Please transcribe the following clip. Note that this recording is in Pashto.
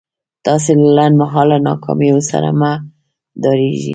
تاسې له لنډ مهاله ناکاميو سره مه ډارېږئ.